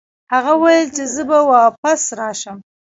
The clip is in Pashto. هغه وویل چې زه به واپس راشم.